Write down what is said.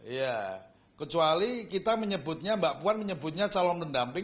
ya kecuali kita menyebutnya mbak puan menyebutnya calon mendamping